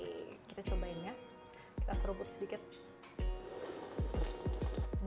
nah inilah saatnya kita mencicipi dan merasakan kenikmatan dan kesegaran dari coconut shake ini